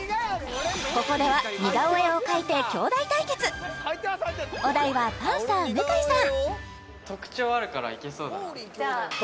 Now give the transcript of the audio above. ここでは似顔絵を描いて兄弟対決お題はパンサー向井さん